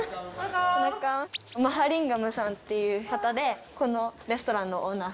マハリンガムさんっていう方でこのレストランのオーナーさんです。